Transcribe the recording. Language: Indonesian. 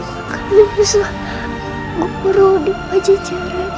aku akan bisa berubah di wajah jara